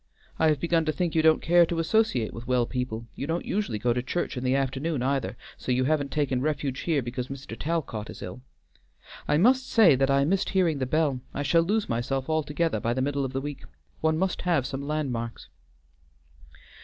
"I have begun to think you don't care to associate with well people; you don't usually go to church in the afternoon either, so you haven't taken refuge here because Mr. Talcot is ill. I must say that I missed hearing the bell; I shall lose myself altogether by the middle of the week. One must have some landmarks."